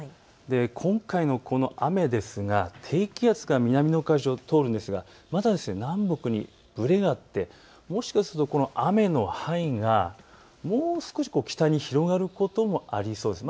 今回のこの雨ですが低気圧が南の海上を通るんですがまだ南北にぶれがあってもしかするとこの雨の範囲がもう少し北に広がることもありそうです。